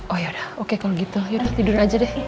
oh yaudah oke kalo gitu yaudah tidur aja deh